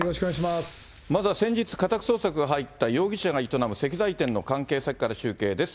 まずは先日、家宅捜索が入った容疑者が営む石材店の関係先から中継です。